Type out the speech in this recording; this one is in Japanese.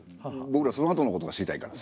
ぼくらそのあとのことが知りたいから。